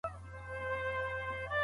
دوی به د اولادونو پيدا کولو تصميم نيسي.